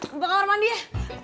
ambil kamar mandi ya